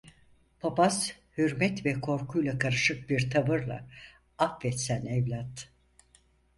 Papaz hürmet ve korkuyla karışık bir tavırla: - Affet sen evlat.